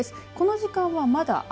この時間も、まだ青。